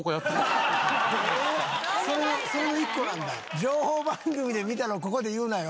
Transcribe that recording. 情報番組で見たのここで言うなよ。